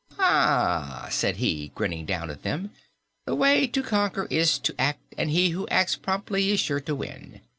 "Ah," said he, grinning down at them, "the way to conquer is to act, and he who acts promptly is sure to win.